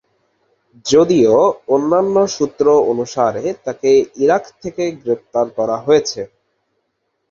যদিও অন্যান্য সূত্র অনুসারে তাকে ইরাক থেকে গ্রেপ্তার করা হয়েছে।